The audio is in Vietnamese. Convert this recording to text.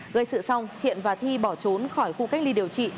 gây sự xong hiện và thi bỏ trốn khỏi khu cách ly điều trị